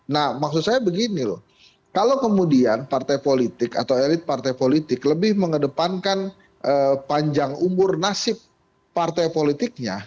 nah maksud saya begini loh kalau kemudian partai politik atau elit partai politik lebih mengedepankan panjang umur nasib partai politiknya